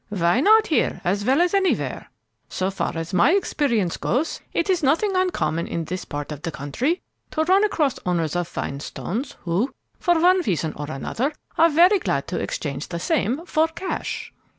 "Why not here as well as anywhere? So far as my experience goes, it is nothing uncommon in this part of the country to run across owners of fine stones who, for one reason or another, are very glad to exchange the same for cash."